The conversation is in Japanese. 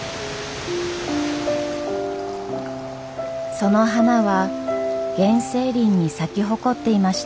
その花は原生林に咲き誇っていました。